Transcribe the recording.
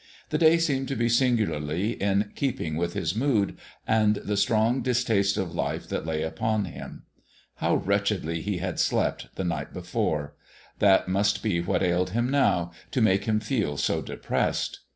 The day seemed to be singularly in keeping with his mood and the strong distaste of life that lay upon him. How wretchedly he had slept the night before that must be what ailed him now, to make him feel so depressed.